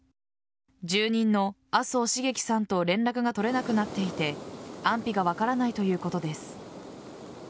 住人の麻生繁喜さんと連絡が取れなくなっていて安否が分からなくなっているということです。